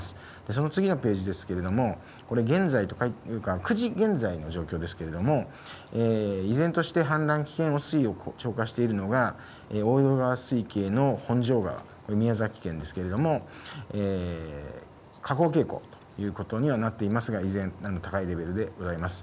その次のページですけれども、これ、現在というか、９時現在の状況ですけれども、依然として氾濫危険水位を超過しているのが大淀川水系の本庄川、宮崎県ですけれども、下降傾向ということにはなっておりますが、依然、高いレベルでございます。